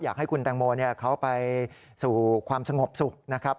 อยากให้คุณแตงโมเขาไปสู่ความสงบสุขนะครับ